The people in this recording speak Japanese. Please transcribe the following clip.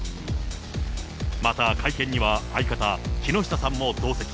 また、会見には相方、木下さんも同席。